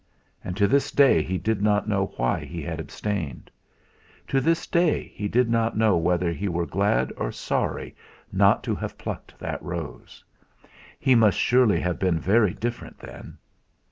And to this day he did not know why he had abstained; to this day he did not know whether he were glad or sorry not to have plucked that rose. He must surely have been very different then!